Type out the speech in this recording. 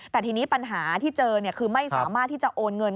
แต่ทีนี้ปัญหาที่เจอคือไม่สามารถที่จะโอนเงิน